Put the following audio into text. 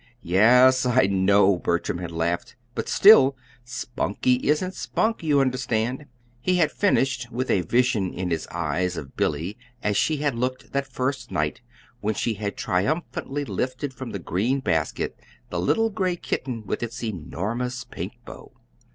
"Yes, I know," Bertram had laughed; "but still, Spunkie isn't Spunk, you understand!" he had finished, with a vision in his eyes of Billy as she had looked that first night when she had triumphantly lifted from the green basket the little gray kitten with its enormous pink bow.